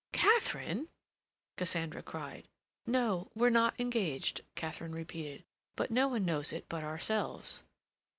"Katharine!" Cassandra cried. "No, we're not engaged," Katharine repeated. "But no one knows it but ourselves."